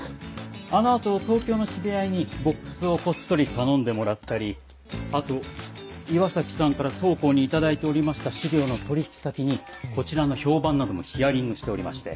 あの後東京の知り合いにボックスをこっそり頼んでもらったりあと岩崎さんから当行に頂いておりました資料の取引先にこちらの評判などもヒアリングしておりまして。